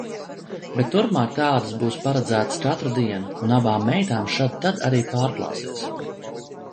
Bet turpmāk tādas būs paredzētas katru dienu, un abām meitām šad tad arī pārklāsies.